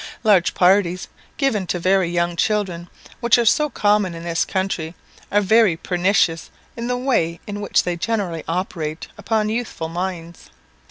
Large parties given to very young children, which are so common in this country, are very pernicious in the way in which they generally operate upon youthful minds.